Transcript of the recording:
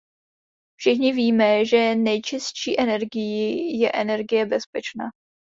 Všichni víme, že nejčistší energií je energie bezpečná.